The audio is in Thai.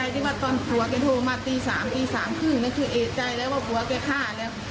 ที่ว่าตอนผัวแกโทรมาตี๓ตี๓๓๐คือเอกใจแล้วว่าผัวแกฆ่าแล้ว